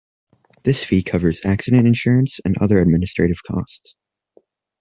This fee covers accident insurance and other administrative costs.